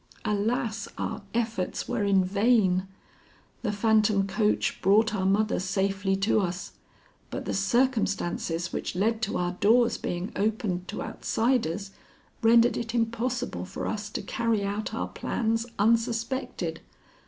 Alas! our efforts were in vain. The phantom coach brought our mother safely to us, but the circumstances which led to our doors being opened to outsiders, rendered it impossible for us to carry out our plans unsuspected.